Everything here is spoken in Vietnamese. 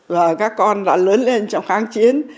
và các con đã lớn lên trong kháng chiến